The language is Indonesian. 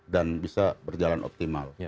dan bisa berjalan optimal